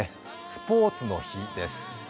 スポーツの日です。